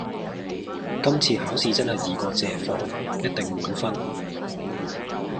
今次考試真係易過借火，一定滿分